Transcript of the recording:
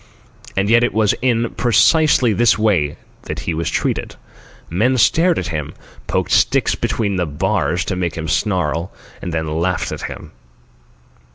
And yet it was in precisely this way that he was treated. Men stared at him, poked sticks between the bars to make him snarl, and then laughed at him.